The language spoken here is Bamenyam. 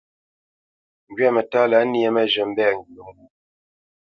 Ŋgwamǝtá lâ nyé mǝ́zhǝ̂ mbɛ ŋgyǝ ŋgû.